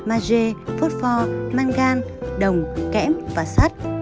a g phosphor mangan đồng kẽm và sắt